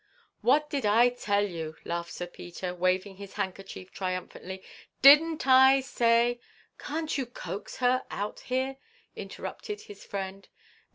"What did I tell you?" laughed Sir Peter, waving his handkerchief triumphantly. "Didn't I say—?" "Can't you coax her out here?" interrupted his friend.